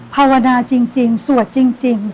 ภาวนาจริงสวดจริง